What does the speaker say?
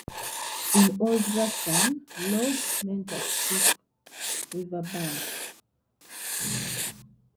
In old Russian "lob" meant a steep river bank.